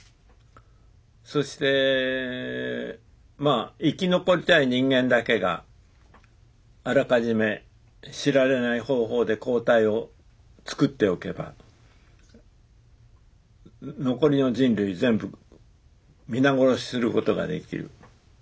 そして生き残りたい人間だけがあらかじめ知られない方法で抗体をつくっておけば残りの人類全部皆殺しすることができる。